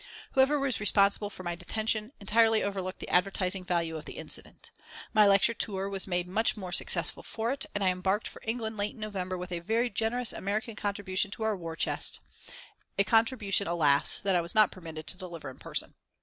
Whoever was responsible for my detention entirely overlooked the advertising value of the incident. My lecture tour was made much more successful for it and I embarked for England late in November with a very generous American contribution to our war chest, a contribution, alas, that I was not permitted to deliver in person.